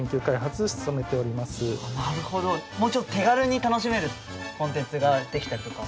なるほどもうちょっと手軽に楽しめるコンテンツが出来たりとか？